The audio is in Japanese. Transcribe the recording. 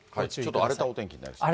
ちょっと荒れたお天気になるんですね。